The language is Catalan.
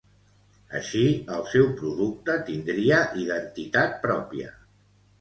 Així, el seu producte tindria identitat pròpia.